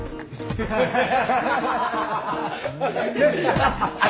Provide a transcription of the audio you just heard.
ハハハハハ。